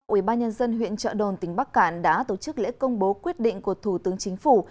ubnd huyện trợ đồn tỉnh bắc cạn đã tổ chức lễ công bố quyết định của thủ tướng chính phủ